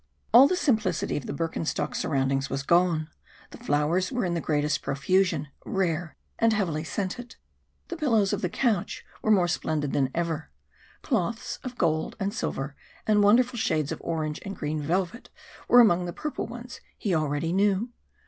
All the simplicity of the Bürgenstock surroundings was gone. The flowers were in the greatest profusion, rare and heavy scented; the pillows of the couch were more splendid than ever; cloths of gold and silver and wonderful shades of orange and green velvet were among the purple ones he already knew.